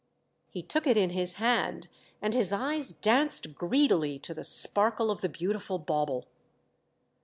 He took it in his hand and his eyes danced greedily to the sparkle of the beautiful bauble.